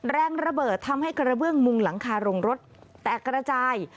แรงระเบิดทำให้กระเบื้องมุงหลังคาโรงรถแตกกระจาย